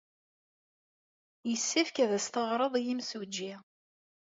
Yessefk ad as-d-teɣreḍ i yemsujji.